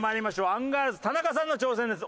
アンガールズ田中さんの挑戦です。